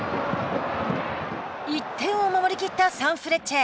１点を守りきったサンフレッチェ。